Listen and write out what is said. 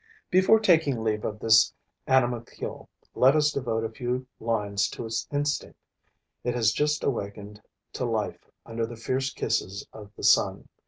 Before taking leave of the animalcule, let us devote a few lines to its instinct. It has just awakened to life under the fierce kisses of the sun.